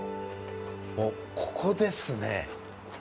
おっ、ここですね。